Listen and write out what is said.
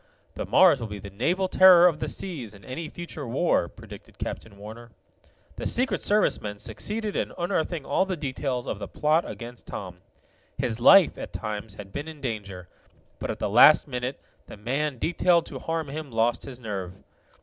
"The Mars will be the naval terror of the seas in any future war," predicted Captain Warner. The Secret Service men succeeded in unearthing all the details of the plot against Tom. His life, at times, had been in danger, but at the last minute the man detailed to harm him lost his nerve.